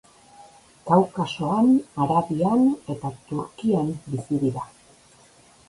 Kaukasoan, Arabian eta Turkian bizi dira.